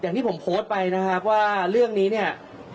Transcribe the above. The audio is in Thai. อย่างที่ผมโพสต์ไปนะครับว่าเรื่องนี้เนี่ย